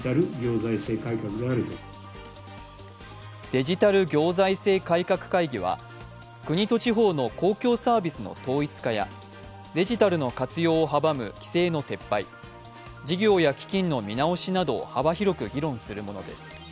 デジタル行財政改革会議は国と地方の公共サービスの統一化やデジタルの活用を阻む規制の撤廃、事業や基金の見直しなどを幅広く議論するものです。